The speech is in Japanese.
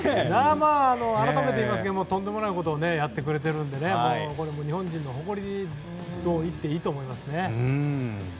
改めて言いますけどとんでもないことをやってくれているのでもう日本人の誇りと言っていいと思います。